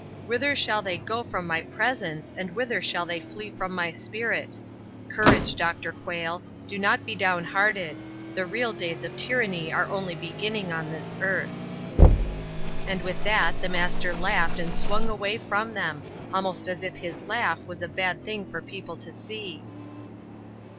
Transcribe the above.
Whither shall they go from my presence and whither shall they flee from my spirit? Courage, Dr. Quayle, and do not be downhearted; the real days of tyranny are only beginning on this earth." And with that the Master laughed and swung away from them, almost as if his laugh was a bad thing for people to see.